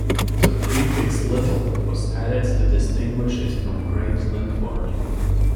The prefix 'Little' was added to distinguish it from Great Linford.